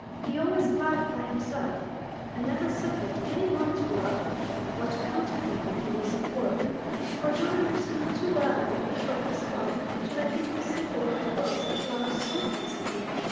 He always ploughed by himself, and never suffered any one to go out with him, or to come to him when he was at work, for John understood too well the nature of his crop to let people see for what it was he ploughed so constantly.